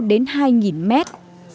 đến hai mét